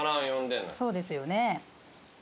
そうですよね。